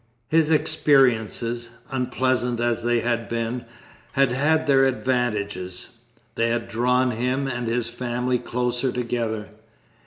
His experiences, unpleasant as they had been, had had their advantages: they had drawn him and his family closer together.